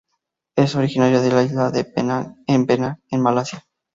Es originaria de la isla de Penang en Penang en Malasia.